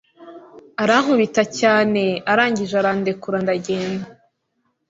arankubita cyaneeeeee arangije arandekura ndagenda